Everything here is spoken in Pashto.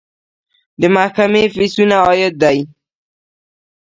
د محکمې فیسونه عاید دی